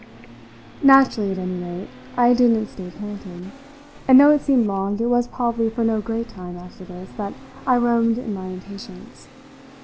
Naturally, at any rate, I didn't stay planted; and though it seemed long it was probably for no great time after this that I roamed in my impatience.